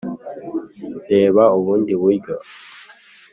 reba ubundi buryo